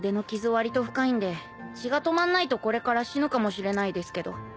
わりと深いんで血が止まんないとこれから死ぬかもしれないですけど。